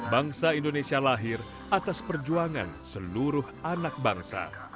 bangsa indonesia lahir atas perjuangan seluruh anak bangsa